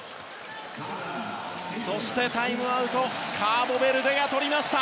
そして、タイムアウトをカーボベルデがとりました。